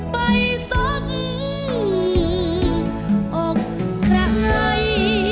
ไปซ้ำออกร้าย